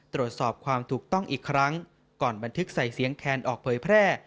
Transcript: ตรวจสอบความถูกต้องอีกครั้งก่อนบันทึกใส่เสียงแคนออกเผยแพร่